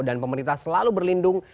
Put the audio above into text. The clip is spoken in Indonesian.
dan pemerintah selalu berlindung